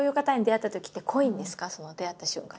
出会った瞬間